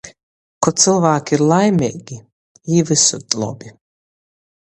Kod cylvāki ir laimeigi - jī vysod lobi...